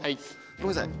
ごめんなさい。